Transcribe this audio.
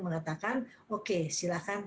mengatakan oke silahkan